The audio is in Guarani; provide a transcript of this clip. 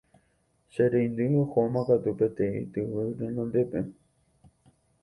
che reindy ohóma katu peteĩ tyvy renondépe